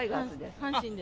阪神です。